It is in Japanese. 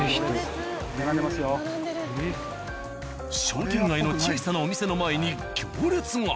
商店街の小さなお店の前に行列が。